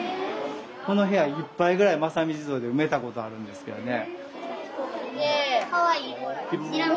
この部屋いっぱいぐらい「正己地蔵」で埋めたことあるんですけどね。